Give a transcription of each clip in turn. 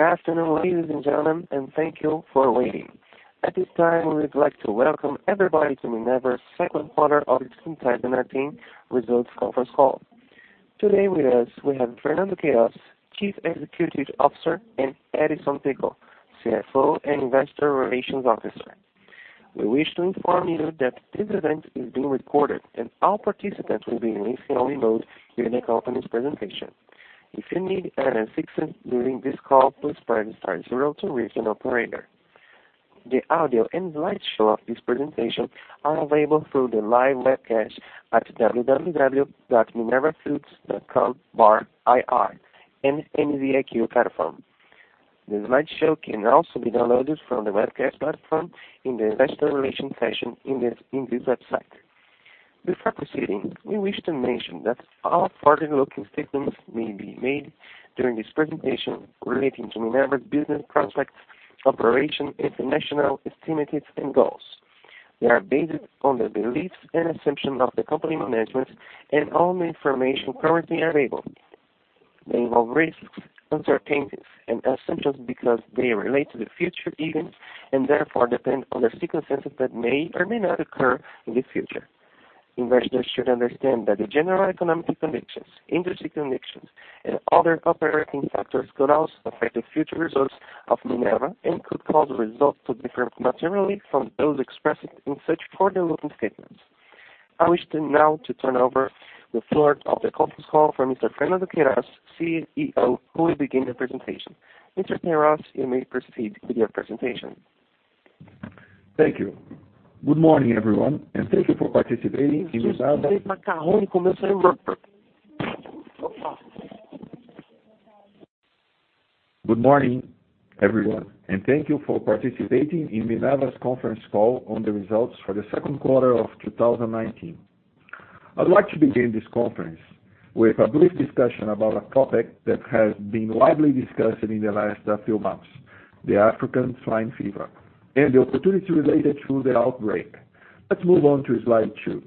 Good afternoon, ladies and gentlemen, and thank you for waiting. At this time, we would like to welcome everybody to Minerva's second quarter of 2019 results conference call. Today with us, we have Fernando Queiroz, Chief Executive Officer, and Edison Ticle, CFO and Investor Relations Officer. We wish to inform you that this event is being recorded, and all participants will be in listen-only mode during the company's presentation. If you need any assistance during this call, please press star zero to reach an operator. The audio and slideshow of this presentation are available through the live webcast at www.minervafoods.com/ir in the MZiQ platform. The slideshow can also be downloaded from the webcast platform in the investor relation section in this website. Before proceeding, we wish to mention that all forward-looking statements may be made during this presentation relating to Minerva's business prospects, operations, international estimates, and goals. They are based on the beliefs and assumptions of the company management and all the information currently available. They involve risks, uncertainties, and assumptions, because they relate to the future events, and therefore depend on the circumstances that may or may not occur in the future. Investors should understand that the general economic conditions, industry conditions, and other operating factors could also affect the future results of Minerva and could cause results to differ materially from those expressed in such forward-looking statements. I wish to now turn over the floor of the conference call for Mr. Fernando Queiroz, CEO, who will begin the presentation. Mr. Queiroz, you may proceed with your presentation. Thank you. Good morning, everyone, and thank you for participating in Minerva's conference call on the results for the second quarter of 2019. I'd like to begin this conference with a brief discussion about a topic that has been widely discussed in the last few months, the African swine fever, and the opportunity related to the outbreak. Let's move on to slide two.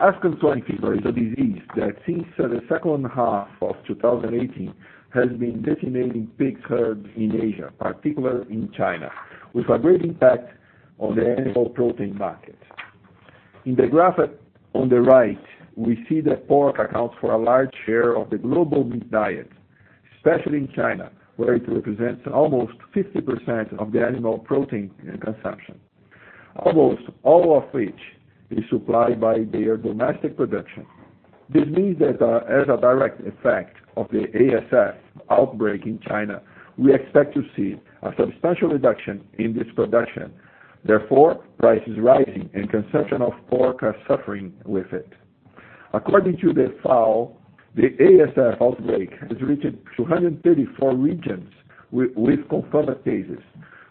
African swine fever is a disease that since the second half of 2018 has been decimating pigs herds in Asia, particularly in China, with a great impact on the animal protein market. In the graph on the right, we see that pork accounts for a large share of the global meat diet, especially in China, where it represents almost 50% of the animal protein consumption, almost all of which is supplied by their domestic production. This means that as a direct effect of the ASF outbreak in China, we expect to see a substantial reduction in this production, therefore, prices rising and consumption of pork are suffering with it. According to the FAO, the ASF outbreak has reached 234 regions with confirmed cases,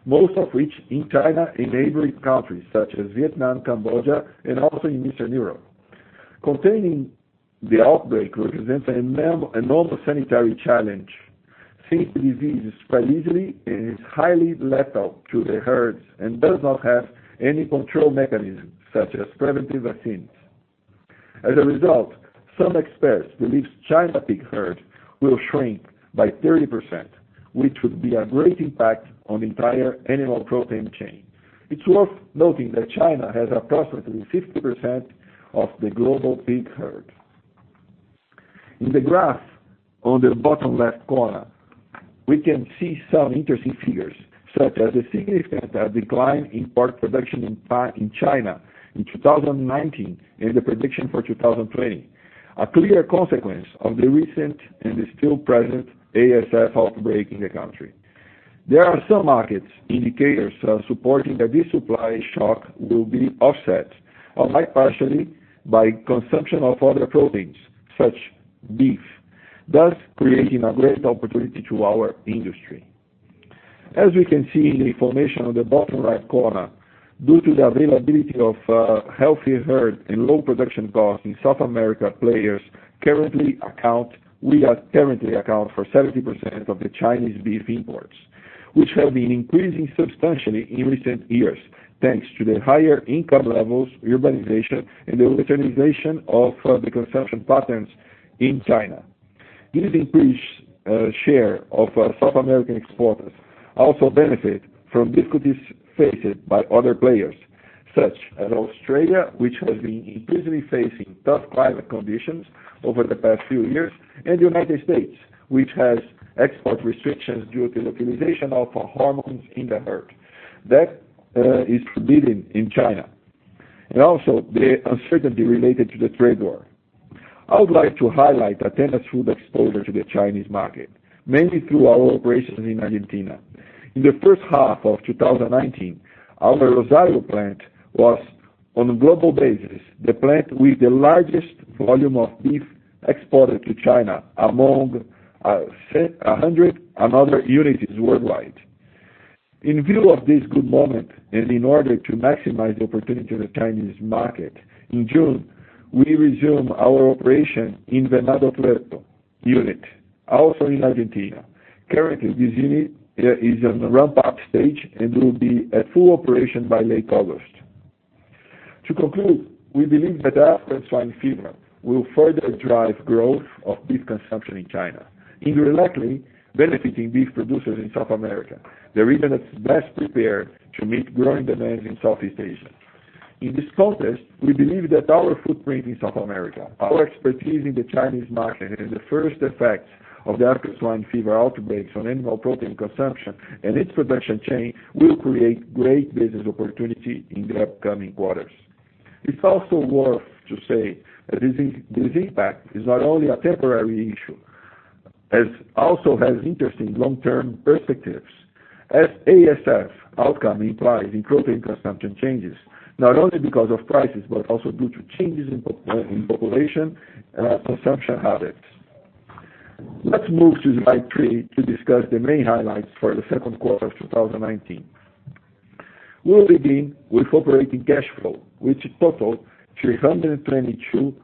most of which in China and neighboring countries such as Vietnam, Cambodia, and also in Eastern Europe. Containing the outbreak represents an enormous sanitary challenge, since the disease spreads easily and is highly lethal to the herds and does not have any control mechanisms such as preventive vaccines. As a result, some experts believe China pig herd will shrink by 30%, which would be a great impact on the entire animal protein chain. It's worth noting that China has approximately 50% of the global pig herd. In the graph on the bottom left corner, we can see some interesting figures, such as the significant decline in pork production in China in 2019 and the prediction for 2020, a clear consequence of the recent and still present ASF outbreak in the country. There are some market indicators supporting that this supply shock will be offset or partially by consumption of other proteins, such beef, thus creating a great opportunity to our industry. As we can see in the information on the bottom right corner, due to the availability of healthy herd and low production costs in South America, we currently account for 70% of the Chinese beef imports, which have been increasing substantially in recent years, thanks to the higher income levels, urbanization, and the westernization of the consumption patterns in China. This increased share of South American exporters also benefit from difficulties faced by other players, such as Australia, which has been increasingly facing tough climate conditions over the past few years, and the U.S., which has export restrictions due to the utilization of hormones in the herd that is forbidden in China. Also, the uncertainty related to the trade war. I would like to highlight Athena Foods exposure to the Chinese market, mainly through our operations in Argentina. In the first half of 2019, our Rosario plant was, on a global basis, the plant with the largest volume of beef exported to China among 100 another units worldwide. In view of this good moment, and in order to maximize the opportunity in the Chinese market, in June, we resumed our operation in Venado Tuerto unit, also in Argentina. Currently, this unit is on the ramp-up stage and will be at full operation by late August. To conclude, we believe that African swine fever will further drive growth of beef consumption in China, indirectly benefiting beef producers in South America, the region that's best prepared to meet growing demands in Southeast Asia. In this context, we believe that our footprint in South America, our expertise in the Chinese market, and the first effects of the African swine fever outbreaks on animal protein consumption and its production chain will create great business opportunity in the upcoming quarters. It's also worth to say that this impact is not only a temporary issue, as also has interesting long-term perspectives. As ASF outcome implies in protein consumption changes, not only because of prices, but also due to changes in population consumption habits. Let's move to slide 3 to discuss the main highlights for the second quarter of 2019. We'll begin with operating cash flow, which totaled 322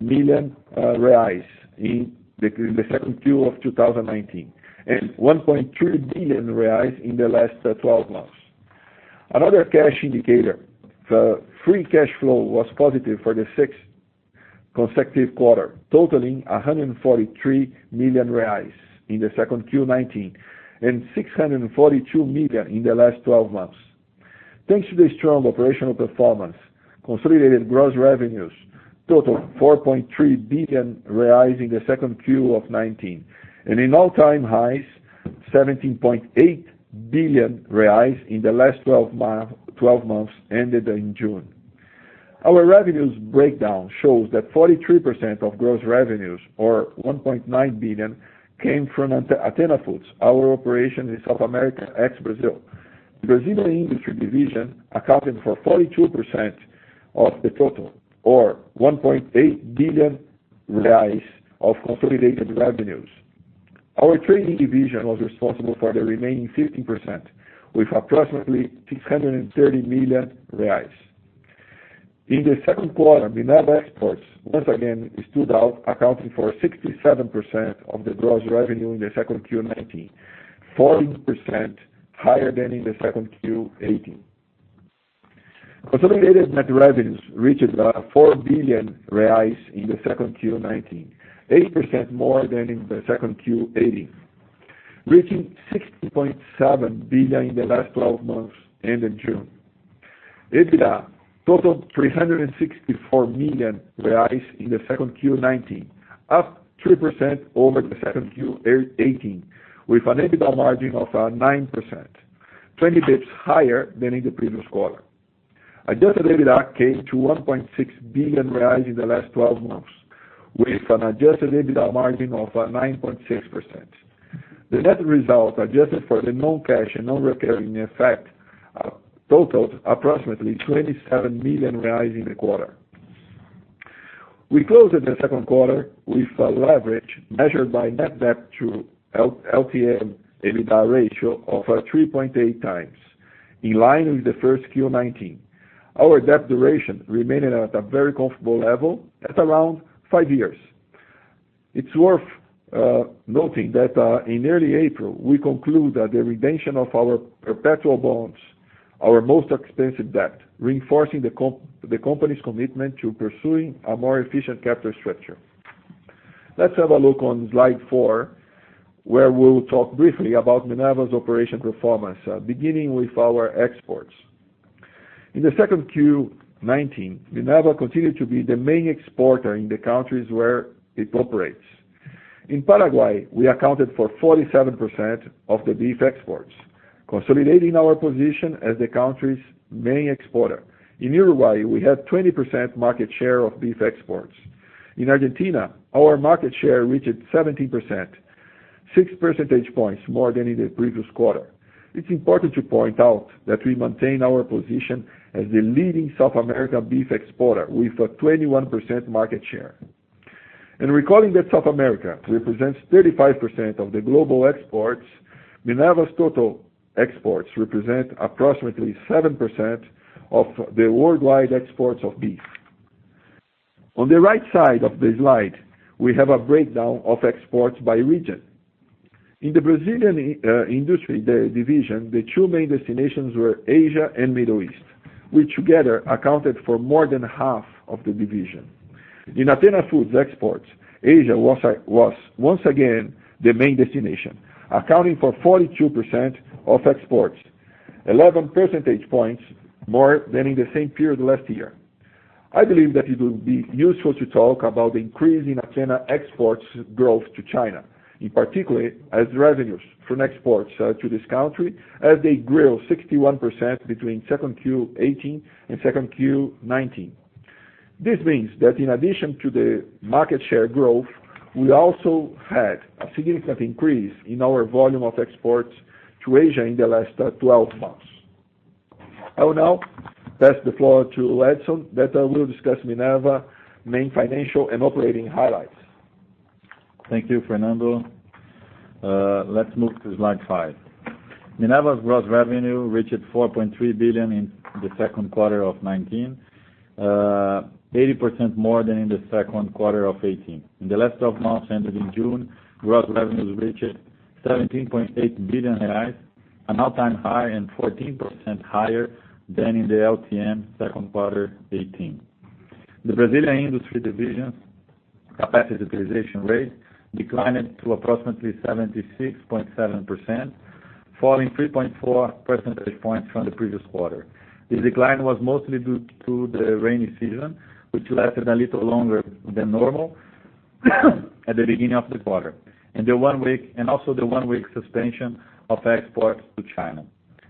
million reais in the second Q of 2019, and 1.3 billion reais in the last 12 months. Another cash indicator, the free cash flow, was positive for the sixth consecutive quarter, totaling 143 million reais in the second Q 2019, and 642 million in the last 12 months. Thanks to the strong operational performance, consolidated gross revenues totaled 4.3 billion reais in the second Q of 2019, and in all-time highs, 17.8 billion reais in the last 12 months ended in June. Our revenues breakdown shows that 43% of gross revenues, or 1.9 billion, came from Athena Foods, our operation in South America, ex-Brazil. The Brazilian industry division accounted for 42% of the total, or 1.8 billion reais of consolidated revenues. Our trading division was responsible for the remaining 15%, with approximately 630 million reais. In the second quarter, Minerva exports once again stood out, accounting for 67% of the gross revenue in the second Q19, 14% higher than in the second Q18. Consolidated net revenues reached 4 billion reais in the second Q19, 8% more than in the second Q18, reaching 6.7 billion in the last 12 months ended June. EBITDA totaled 364 million reais in the second Q19, up 3% over the second Q18, with an EBITDA margin of 9%, 20 basis points higher than in the previous quarter. Adjusted EBITDA came to 1.6 billion reais in the last 12 months, with an adjusted EBITDA margin of 9.6%. The net results adjusted for the non-cash and non-recurring effect totaled approximately 27 million reais in the quarter. We closed the second quarter with a leverage measured by net debt to LTM EBITDA ratio of 3.8 times, in line with the first Q19. Our debt duration remaining at a very comfortable level at around five years. It's worth noting that in early April, we conclude that the redemption of our perpetual bonds, our most expensive debt, reinforcing the company's commitment to pursuing a more efficient capital structure. Let's have a look on slide four, where we'll talk briefly about Minerva's operation performance, beginning with our exports. In the second Q19, Minerva continued to be the main exporter in the countries where it operates. In Paraguay, we accounted for 47% of the beef exports, consolidating our position as the country's main exporter. In Uruguay, we have 20% market share of beef exports. In Argentina, our market share reached 17%, six percentage points more than in the previous quarter. It is important to point out that we maintain our position as the leading South American beef exporter with a 21% market share. Recalling that South America represents 35% of the global exports, Minerva's total exports represent approximately 7% of the worldwide exports of beef. On the right side of the slide, we have a breakdown of exports by region. In the Brazilian industry division, the two main destinations were Asia and Middle East, which together accounted for more than half of the division. In Athena Foods exports, Asia was once again the main destination, accounting for 42% of exports, 11 percentage points more than in the same period last year. I believe that it would be useful to talk about the increase in Athena's exports growth to China, in particular as revenues from exports to this country as they grew 61% between second Q18 and second Q19. This means that in addition to the market share growth, we also had a significant increase in our volume of exports to Asia in the last 12 months. I will now pass the floor to Edison, that will discuss Minerva main financial and operating highlights. Thank you, Fernando. Let's move to slide five. Minerva's gross revenue reached 4.3 billion in the second quarter of 2019, 80% more than in the second quarter of 2018. In the last 12 months ended in June, gross revenues reached 17.8 billion reais, an all-time high and 14% higher than in the LTM second quarter 2018. The Brazilian industry division capacity utilization rate declined to approximately 76.7%, falling 3.4 percentage points from the previous quarter. This decline was mostly due to the rainy season, which lasted a little longer than normal at the beginning of the quarter, and also the one-week suspension of exports to China.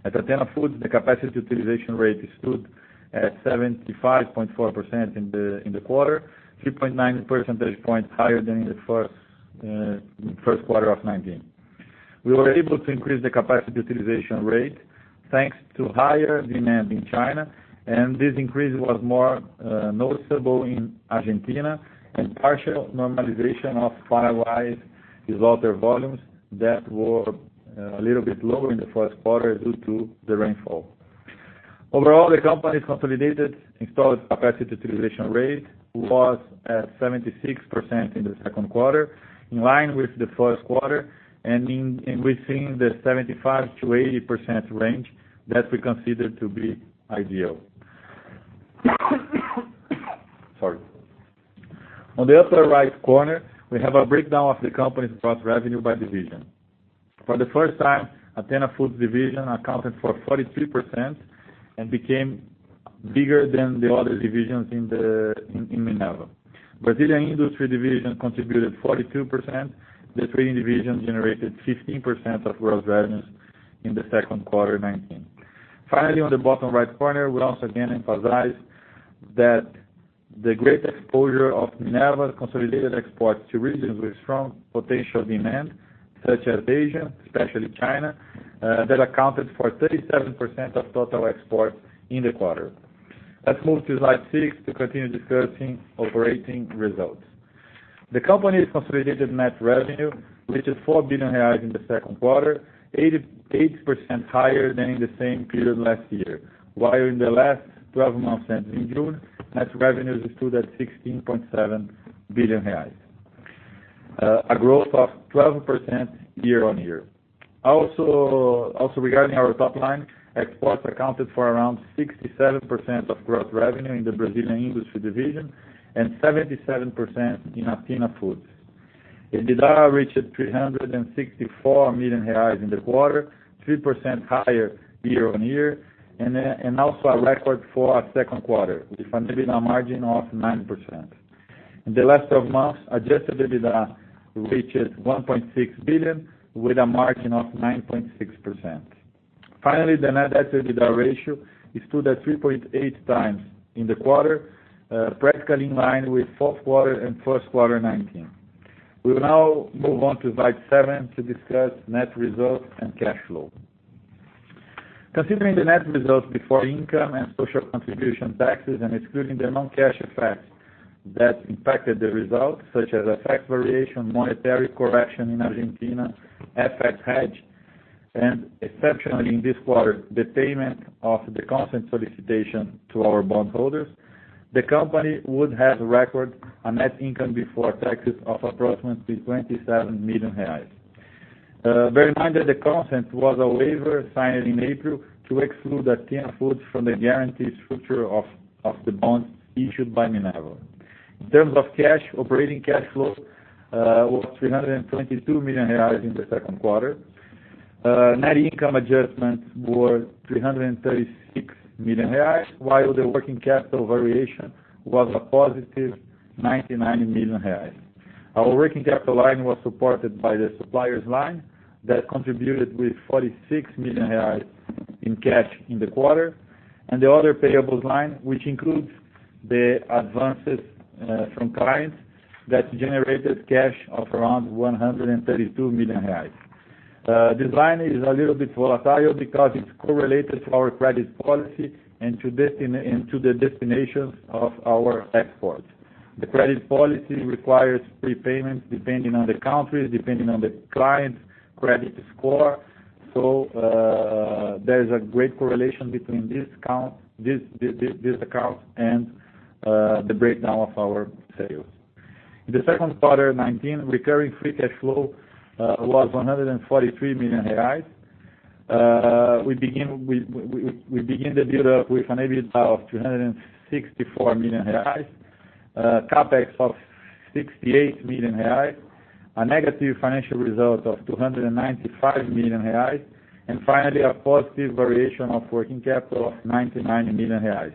At Athena Foods, the capacity utilization rate stood at 75.4% in the quarter, 3.9 percentage points higher than in the first quarter of 2019. We were able to increase the capacity utilization rate thanks to higher demand in China. This increase was more noticeable in Argentina and partial normalization of Far West slaughter volumes that were a little bit lower in the first quarter due to the rainfall. Overall, the company's consolidated installed capacity utilization rate was at 76% in the second quarter, in line with the first quarter, and within the 75%-80% range that we consider to be ideal. Sorry. On the upper right corner, we have a breakdown of the company's gross revenue by division. For the first time, Athena Foods division accounted for 43% and became bigger than the other divisions in Minerva. Brazilian industry division contributed 42%. The trading division generated 15% of gross revenues in the second quarter 2019. Finally, on the bottom right corner, we once again emphasize that the great exposure of Minerva consolidated exports to regions with strong potential demand, such as Asia, especially China, that accounted for 37% of total exports in the quarter. Let's move to slide six to continue discussing operating results. The company's consolidated net revenue, which is 4 billion reais in the second quarter, 8% higher than in the same period last year. While in the last 12 months ended in June, net revenues stood at 16.7 billion reais. A growth of 12% year-on-year. Also regarding our top line, exports accounted for around 67% of gross revenue in the Brazilian industry division and 77% in Athena Foods. EBITDA reached 364 million reais in the quarter, 3% higher year-on-year and also a record for our second quarter with an EBITDA margin of 9%. In the last 12 months, adjusted EBITDA reaches 1.6 billion with a margin of 9.6%. Finally, the net debt-to-EBITDA ratio stood at 3.8 times in the quarter, practically in line with fourth quarter and first quarter 2019. We will now move on to slide seven to discuss net results and cash flow. Considering the net results before income and social contribution taxes and excluding the non-cash effects that impacted the results such as FX variation, monetary correction in Argentina, FX hedge, and exceptionally in this quarter, the payment of the consent solicitation to our bondholders, the company would have record a net income before taxes of approximately 27 million reais. Bear in mind that the consent was a waiver signed in April to exclude Athena Foods from the guarantee structure of the bonds issued by Minerva. In terms of cash, operating cash flow was 322 million reais in the second quarter. Net income adjustments were 336 million reais, while the working capital variation was a positive 99 million reais. Our working capital line was supported by the suppliers line that contributed with 46 million reais in cash in the quarter, and the other payables line, which includes the advances from clients that generated cash of around 132 million reais. This line is a little bit volatile because it's correlated to our credit policy and to the destinations of our exports. The credit policy requires prepayments depending on the countries, depending on the client's credit score. There's a great correlation between these accounts and the breakdown of our sales. In the second quarter 2019, recurring free cash flow was 143 million reais. We begin the build-up with an EBITDA of 264 million reais, CapEx of 68 million reais, a negative financial result of 295 million reais, and finally, a positive variation of working capital of 99 million reais,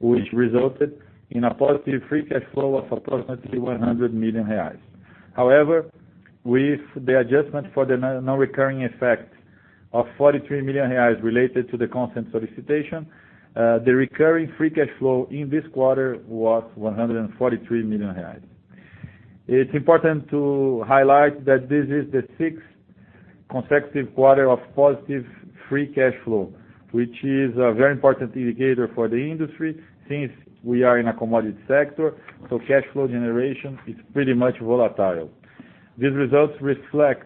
which resulted in a positive free cash flow of approximately 100 million reais. However, with the adjustment for the non-recurring effect of 43 million reais related to the consent solicitation, the recurring free cash flow in this quarter was 143 million reais. It's important to highlight that this is the sixth consecutive quarter of positive free cash flow, which is a very important indicator for the industry since we are in a commodity sector, so cash flow generation is pretty much volatile. These results reflect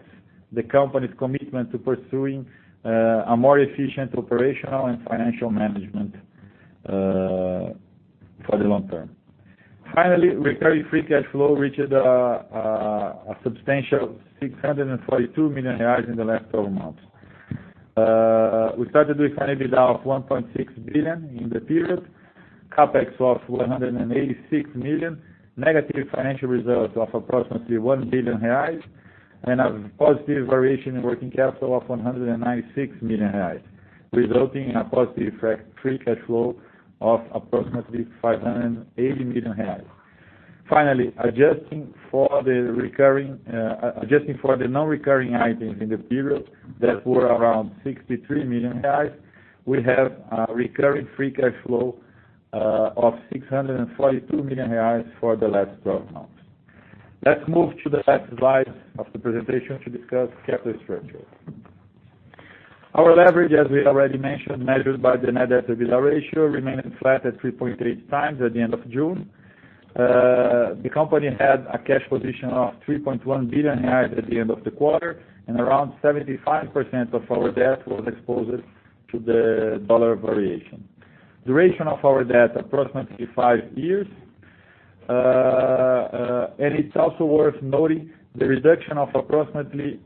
the company's commitment to pursuing a more efficient operational and financial management for the long term. Recurring free cash flow reached a substantial 642 million reais in the last 12 months. We started with an EBITDA of 1.6 billion in the period, CapEx of 186 million, negative financial results of approximately 1 billion reais, and a positive variation in working capital of 196 million reais, resulting in a positive free cash flow of approximately 580 million reais. Adjusting for the non-recurring items in the period that were around 63 million reais, we have a recurring free cash flow of 642 million reais for the last 12 months. Let's move to the last slide of the presentation to discuss capital structure. Our leverage, as we already mentioned, measured by the net debt-to-EBITDA ratio, remaining flat at 3.3 times at the end of June. The company had a cash position of 3.1 billion BRL at the end of the quarter. Around 75% of our debt was exposed to the dollar variation. Duration of our debt, approximately five years. It's also worth noting the reduction of approximately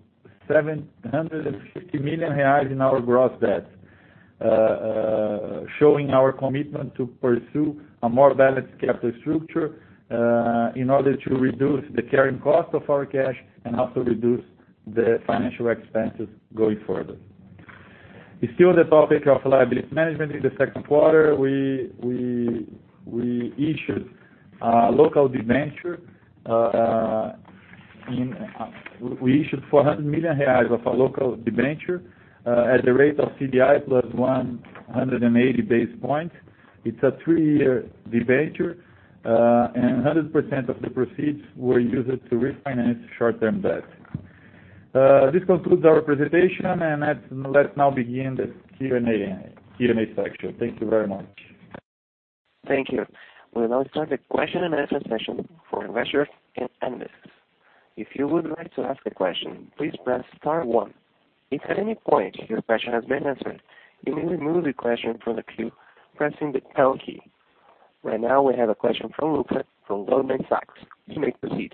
750 million reais in our gross debt, showing our commitment to pursue a more balanced capital structure in order to reduce the carrying cost of our cash and also reduce the financial expenses going further. Still on the topic of liability management, in the second quarter, we issued 400 million reais of a local debenture at the rate of CDI plus 180 basis points. It's a three-year debenture. 100% of the proceeds were used to refinance short-term debt. This concludes our presentation. Let's now begin the Q&A section. Thank you very much. Thank you. We'll now start the question-and-answer session for investors and analysts. If you would like to ask a question, please press star one. If at any point your question has been answered, you may remove the question from the queue by pressing the pound key. Right now, we have a question from Luca from Goldman Sachs. You may proceed.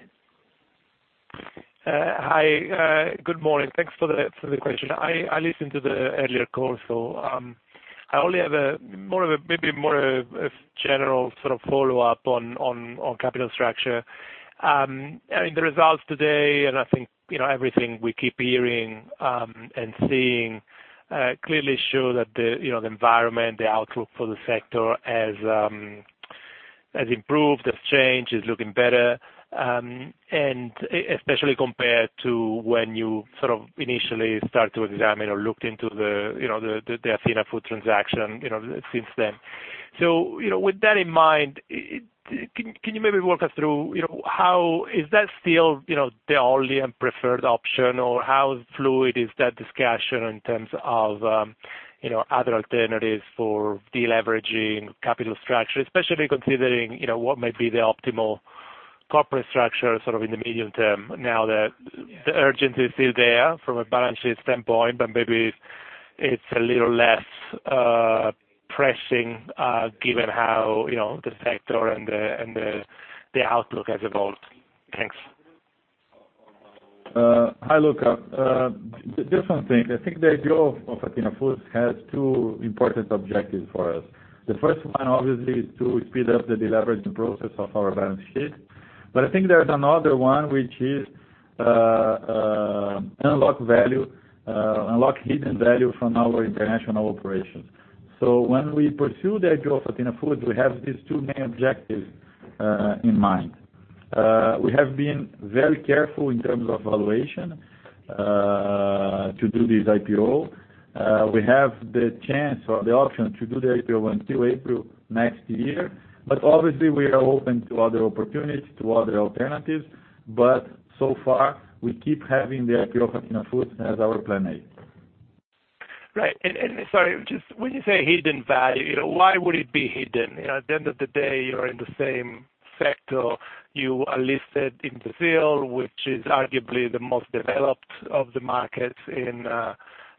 Hi. Good morning. Thanks for the question. I listened to the earlier call, so I only have maybe more of a general sort of follow-up on capital structure. The results today, and I think everything we keep hearing and seeing clearly show that the environment, the outlook for the sector has improved, has changed, is looking better, especially compared to when you sort of initially started to examine or looked into the Athena Foods transaction since then. With that in mind, can you maybe walk us through, is that still the only and preferred option, or how fluid is that discussion in terms of other alternatives for de-leveraging capital structure? Especially considering what might be the optimal corporate structure sort of in the medium term now that the urgency is still there from a balance sheet standpoint, but maybe it's a little less pressing given how the sector and the outlook has evolved. Thanks. Hi, Luca. Different thing. I think the IPO of Athena Foods has two important objectives for us. The first one, obviously, is to speed up the deleveraging process of our balance sheet. I think there's another one, which is unlock hidden value from our international operations. When we pursue the IPO of Athena Foods, we have these two main objectives in mind. We have been very careful in terms of valuation to do this IPO. We have the chance or the option to do the IPO until April next year. Obviously, we are open to other opportunities, to other alternatives. So far, we keep having the IPO of Athena Foods as our plan A. Right. Sorry, when you say hidden value, why would it be hidden? At the end of the day, you are in the same sector. You are listed in Brazil, which is arguably the most developed of the markets in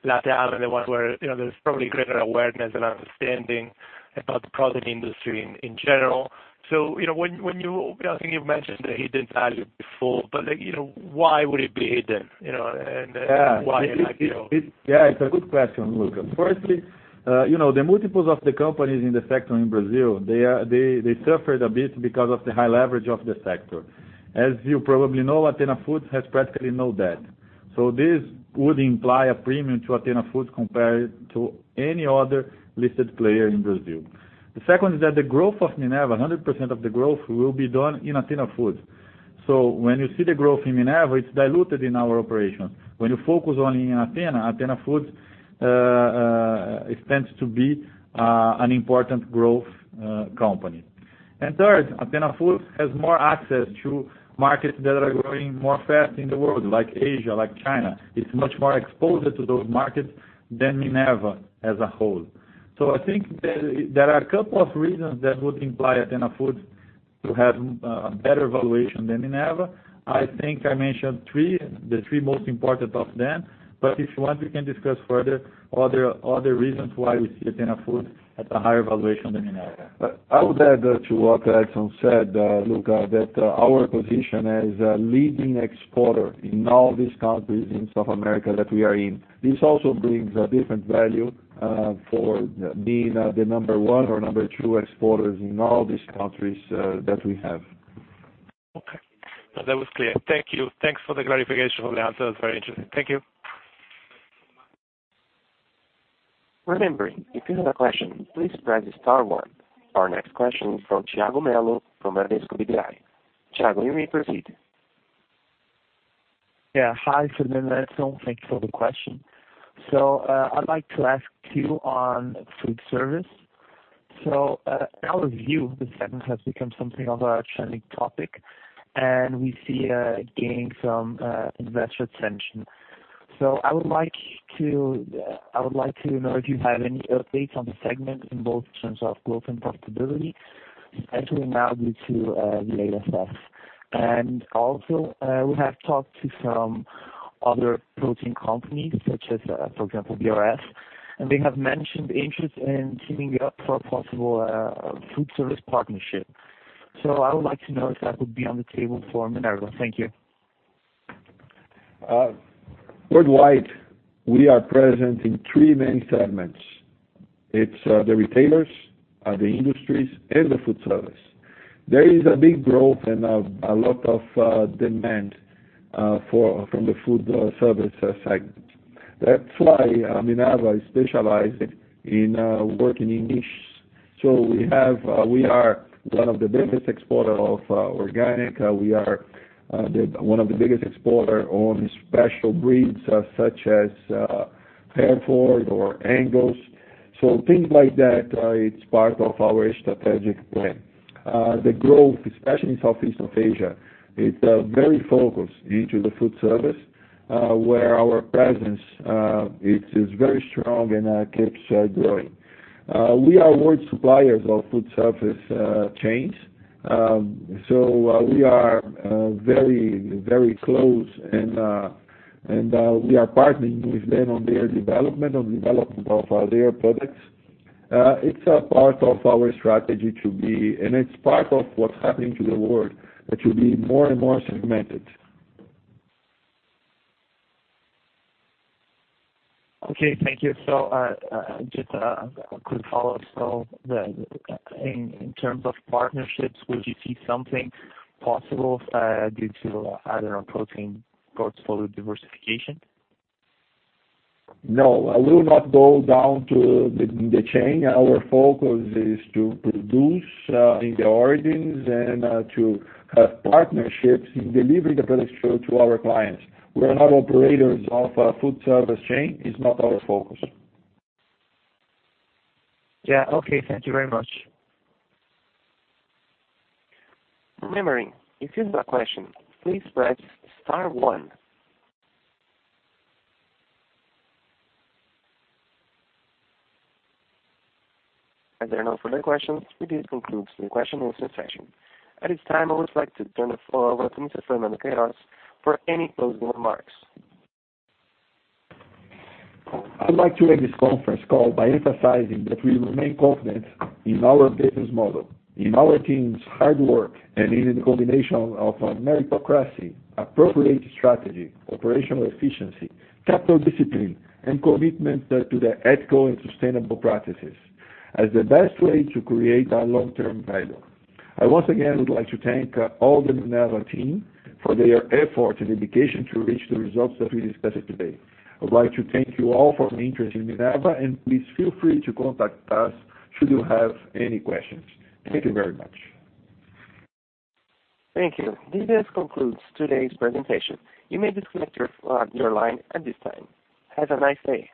LatAm and the one where there's probably greater awareness and understanding about the protein industry in general. I think you've mentioned the hidden value before, why would it be hidden? Why an IPO? It's a good question, Luca. Firstly, the multiples of the companies in the sector in Brazil, they suffered a bit because of the high leverage of the sector. As you probably know, Athena Foods has practically no debt. This would imply a premium to Athena Foods compared to any other listed player in Brazil. The second is that the growth of Minerva, 100% of the growth will be done in Athena Foods. When you see the growth in Minerva, it's diluted in our operations. When you focus only on Athena Foods stands to be an important growth company. Third, Athena Foods has more access to markets that are growing more fast in the world, like Asia, like China. It's much more exposed to those markets than Minerva as a whole. I think there are a couple of reasons that would imply Athena Foods to have a better valuation than Minerva. I think I mentioned three, the three most important of them, if you want, we can discuss further other reasons why we see Athena Foods at a higher valuation than Minerva. I would add to what Edson said, Luca, that our position as a leading exporter in all these countries in South America that we are in, this also brings a different value for being the number one or number two exporters in all these countries that we have. Okay. No, that was clear. Thank you. Thanks for the clarification of the answer. It was very interesting. Thank you. Remembering, if you have a question, please press star one. Our next question is from Thiago Melo from Bradesco BBI. Thiago, you may proceed. Yeah. Hi, Fernando and Edson. Thank you for the question. I'd like to ask you on food service. In our view, the segment has become something of a trending topic, and we see it gaining some investor attention. I would like to know if you have any updates on the segment in both terms of growth and profitability, as we now move to the ASFs. Also, we have talked to some other protein companies such as, for example, BRF, and they have mentioned interest in teaming up for a possible food service partnership. I would like to know if that would be on the table for Minerva. Thank you. Worldwide, we are present in three main segments. It's the retailers, the industries, and the food service. There is a big growth and a lot of demand from the food service segment. That's why Minerva is specialized in working in niches. We are one of the biggest exporter of organic. We are one of the biggest exporter on special breeds such as Hereford or Angus. Things like that, it's part of our strategic plan. The growth, especially in Southeast of Asia, is very focused into the food service, where our presence is very strong and keeps growing. We are world suppliers of food service chains. We are very, very close and we are partnering with them on their development, on development of their products. It's a part of our strategy and it's part of what's happening to the world, that will be more and more segmented. Okay, thank you. Just a quick follow-up. In terms of partnerships, would you see something possible due to either a protein portfolio diversification? No, I will not go down to the chain. Our focus is to produce in the origins and to have partnerships in delivering the products to our clients. We are not operators of a food service chain, it's not our focus. Yeah, okay. Thank you very much. Remembering, if you have a question, please press star one. As there are no further questions, this concludes the question and answer session. At this time, I would like to turn the floor over to Mr. Fernando Queiroz for any closing remarks. I'd like to end this conference call by emphasizing that we remain confident in our business model, in our team's hard work, and in the combination of meritocracy, appropriate strategy, operational efficiency, capital discipline, and commitment to the ethical and sustainable practices as the best way to create long-term value. I once again would like to thank all the Minerva team for their effort and dedication to reach the results that we discussed today. I would like to thank you all for the interest in Minerva, and please feel free to contact us should you have any questions. Thank you very much. Thank you. This concludes today's presentation. You may disconnect your line at this time. Have a nice day.